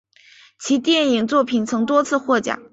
其电影作品曾多次获奖。